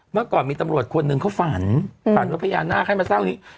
เมื่อก่อนมีตำรวจคนหนึ่งเขาฝันฝันว่าพญานาคให้มาสร้างนี้